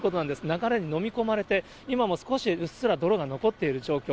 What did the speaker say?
流れに飲み込まれて、今も少し、うっすら泥が残っている状況。